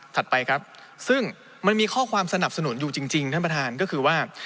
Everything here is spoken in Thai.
ไปครับซึ่งมันมีข้อความสนับสนุนอยู่จริงท่านประธานก็คือว่า